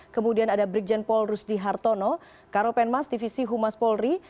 kemudian ada brigjen paul rusdi hartono karopenmas divisi humas polri